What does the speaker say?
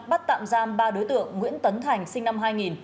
bắt tạm giam ba đối tượng nguyễn tấn thành sinh năm hai nghìn